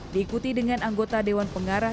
diikuti dengan anggota dewan pengarah